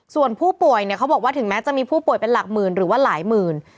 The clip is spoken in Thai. ส่วนผู้ป่วยเนี่ยเขาบอกว่าถึงแม้จะมีผู้ป่วยเป็นหลักหมื่นหรือว่าหลายหมื่น